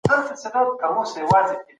لویس دا کار یوازې د تنوع لپاره کوي.